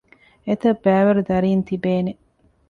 އެތައްބައިވަރު ދަރީން ތިބޭނެ